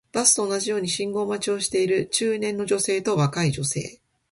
バスと同じように信号待ちをしている中年の女性と若い女性